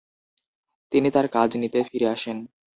তিনি তার কাজ নিতে ফিরে আসেন।